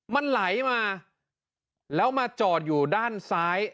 มันไหลมาแล้วมาจอดอยู่ด้านซ้าย